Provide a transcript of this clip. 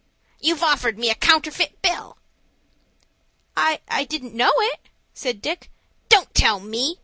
"You've offered me a counterfeit bill." "I didn't know it," said Dick. "Don't tell me.